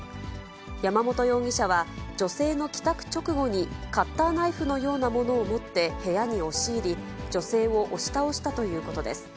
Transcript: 山本容疑者は、女性の帰宅直後にカッターナイフのようなものを持って部屋に押し入り、女性を押し倒したということです。